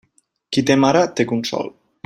Qui té mare té consol.